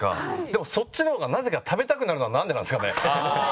でもそっちの方がなぜか食べたくなるのはなんでなんですかね？